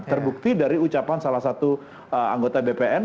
terbukti dari ucapan salah satu anggota bpn